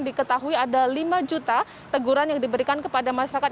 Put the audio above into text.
diketahui ada lima juta teguran yang diberikan kepada masyarakat